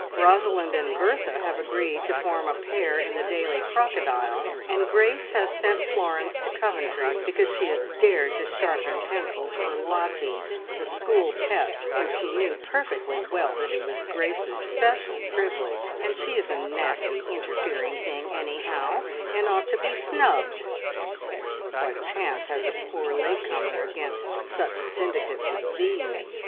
Rosalind and Bertha have agreed to form a pair in the daily crocodile, and Grace has sent Florence to Coventry because she has dared to sharpen pencils for Lottie, the school pet, when she knew perfectly well that it was Grace's special privilege, and she is a nasty, interfering thing, anyhow, and ought to be snubbed! What chance has a poor late comer against such syndicates as these?